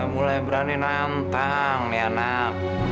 mulai berani nantang ya nak